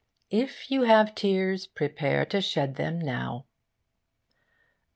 'If you have tears, prepare to shed them now.